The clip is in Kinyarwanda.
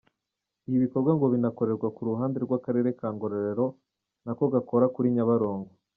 Ibi bikorwa ngo binakorerwa ku ruhande rw’Akarere ka Ngororero nako gakora kuri Nyabarongo.